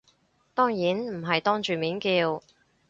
當然唔係當住面叫